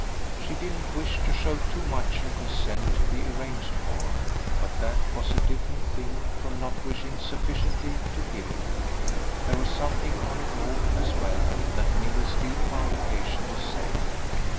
She didn't wish to show too much her consent to be arranged for, but that was a different thing from not wishing sufficiently to give it. There was something on it all, as well, that Milly still found occasion to say.